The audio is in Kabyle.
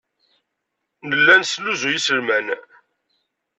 Nella nesnuzuy iselman.